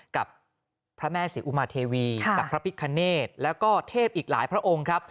กับพระแม่ศรีอุมาเทวีกับพระพิคเนธแล้วก็เทพอีกหลายพระองค์ครับ